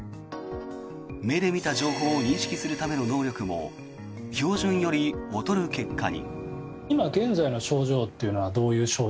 目で見た情報を認識するための能力も標準より劣る結果に。